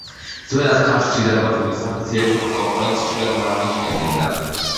ძველად ქართლში დარბაზული სახლის ერთ-ერთ კომპონენტს ხშირად მარანი შეადგენდა.